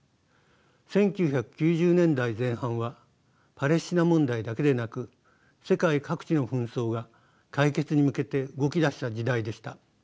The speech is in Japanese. １９９０年代前半はパレスチナ問題だけでなく世界各地の紛争が解決に向けて動き出した時代でした。